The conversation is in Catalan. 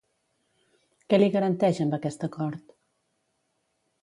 Què li garanteix amb aquest acord?